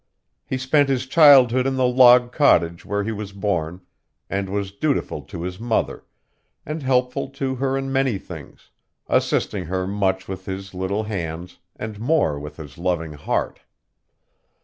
He spent his childhood in the log cottage where he was born, and was dutiful to his mother, and helpful to her in many things, assisting her much with his little hands, and more with his loving heart.